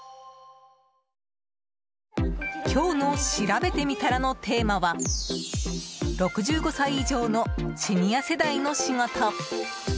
今日のしらべてみたらのテーマは６５歳以上のシニア世代の仕事。